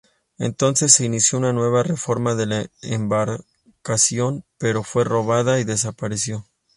Entonces se inició una nueva reforma de la embarcación, pero fue robada y desapareció.